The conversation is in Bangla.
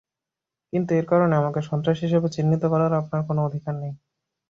কিন্তু এর কারণে আমাকে সন্ত্রাসী হিসেবে চিহ্নিত করার আপনার কোনো অধিকার নেই।